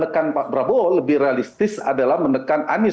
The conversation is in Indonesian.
menekan pak prabowo lebih realistis adalah menekan anies